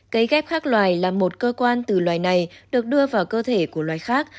cấy ghép khác loài là một cơ quan từ loài này được đưa vào cơ thể của loài khác